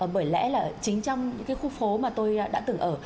bởi lẽ là chính trong những cái khu phố mà tôi đã từng ở